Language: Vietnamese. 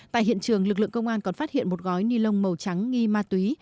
tại hiện trường lực lượng công an còn phát hiện một gói ni lông màu trắng nghi ma túy